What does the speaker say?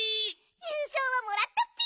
ゆうしょうはもらったッピ！